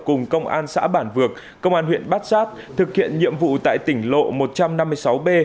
cùng công an xã bản vược công an huyện bát sát thực hiện nhiệm vụ tại tỉnh lộ một trăm năm mươi sáu b